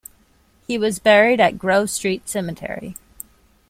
He was buried at Grove Street Cemetery.